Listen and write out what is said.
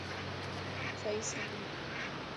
سهي سان هل.